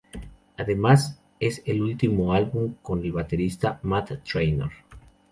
Además es el último álbum con el baterista Matt Traynor.